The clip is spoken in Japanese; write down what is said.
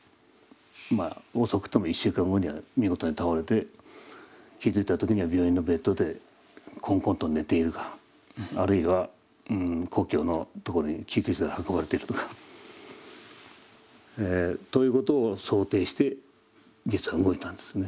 まあ遅くとも１週間後には見事に倒れて気付いた時には病院のベッドでこんこんと寝ているかあるいは故郷のところに救急車で運ばれているかということを想定して実は動いたんですね。